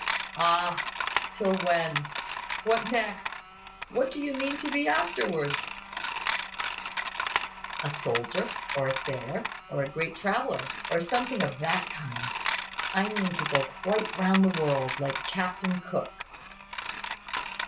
"Ah! Till when? What next! What do you mean to be afterwards?" "A soldier, or a sailor, or a great traveller, or something of that kind. I mean to go quite round the world, like Captain Cook."